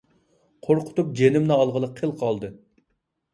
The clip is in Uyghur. قورقۇتۇپ جېنىمنى ئالغىلى قىل قالدى!